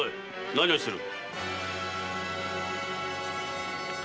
何をしている？